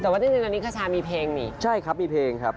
แต่ว่าจริงอันนี้คชามีเพลงนี่ใช่ครับมีเพลงครับ